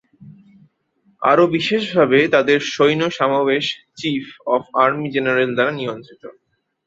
আরো বিশেষভাবে, তাদের সৈন্য-সমাবেশ চীফ অফ আর্মি জেনারেল দ্বারা নিয়ন্ত্রিত।